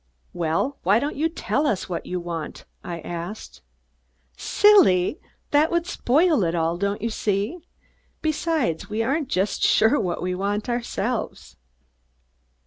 "Well, why don't you tell us what you want?" I asked. "Silly! That would spoil it all, don't you see? Besides we aren't sure just what we want ourselves."